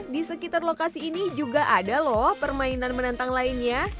di sekitar lokasi ini juga ada loh permainan menantang lainnya